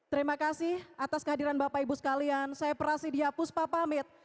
terima kasih atas kehadiran bapak ibu sekalian saya prasidya puspa pamit